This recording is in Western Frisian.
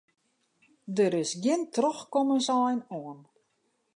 Der is gjin trochkommensein oan.